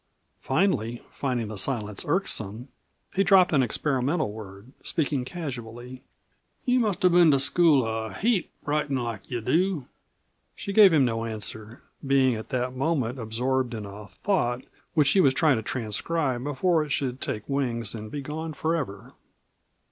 Finally finding the silence irksome, he dropped an experimental word, speaking casually. "You must have been to school a heap writin' like you do." She gave him no answer, being at that moment absorbed in a thought which she was trying to transcribe before it should take wings and be gone forever.